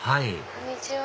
こんにちは。